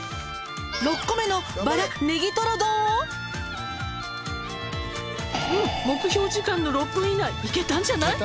「うん目標時間の６分以内いけたんじゃない？」